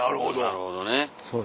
なるほどね。